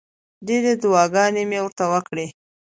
ډېرې دعاګانې مې ورته وکړې.